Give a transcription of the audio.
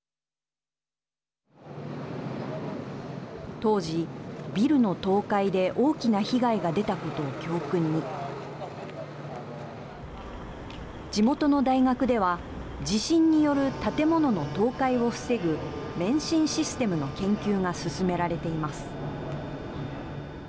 当時ビルの倒壊で大きな被害が出たことを教訓に地元の大学では地震による建物の倒壊を防ぐ免震システムの研究が進められています。